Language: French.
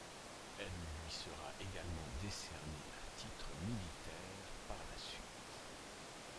Elle lui sera également décernée à titre militaire par la suite.